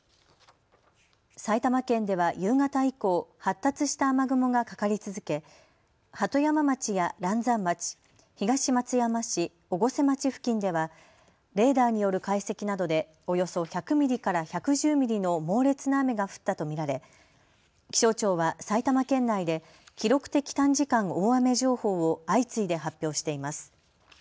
埼玉県では夕方以降、発達した雨雲がかかり続け鳩山町や嵐山町、東松山市、越生町付近ではレーダーによる解析などでおよそ１００ミリから１１０ミリの猛烈な雨が降ったと見られ気象庁は埼玉県内で記録的短時間大雨情報を相次いで発表しています。